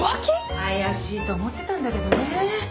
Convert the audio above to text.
怪しいと思ってたんだけどね。